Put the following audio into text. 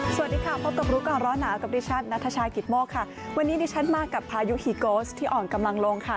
สวัสดีค่ะพบกับรู้ก่อนร้อนหนาวกับดิฉันนัทชายกิตโมกค่ะวันนี้ดิฉันมากับพายุฮีโกสที่อ่อนกำลังลงค่ะ